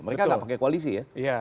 mereka nggak pakai koalisi ya